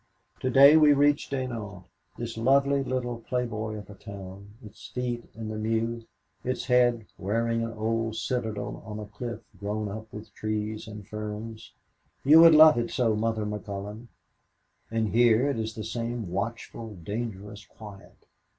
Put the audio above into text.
To day we reached Dinant, this lovely little playboy of a town, its feet in the Meuse, its head wearing an old old citadel on a cliff grown up with trees and ferns. You would love it so, Mother McCullon. And here it is the same watchful, dangerous quiet.